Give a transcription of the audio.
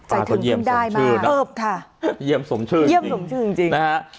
ใจถึงกันได้มากเอิบค่ะเยี่ยมสมชื่อจริงนะครับ